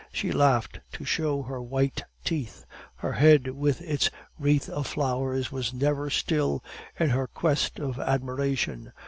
She laughed to show her white teeth; her head with its wreath of flowers was never still, in her quest of admiration.